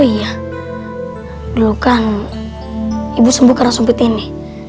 iya dulu kan ibu sembuh karena sumpit ini